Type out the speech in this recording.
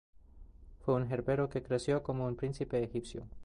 Fue un hebreo que creció como un príncipe egipcio.